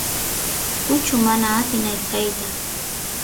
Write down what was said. kuchu mana atin ayqeyt